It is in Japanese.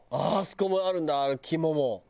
あそこもあるんだ肝も。